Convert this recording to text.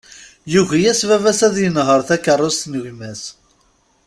Yugi-yas baba-s ad inher takerrust n gma-s.